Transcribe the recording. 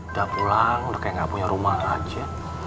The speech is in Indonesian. udah pulang udah kayak gak punya rumah aja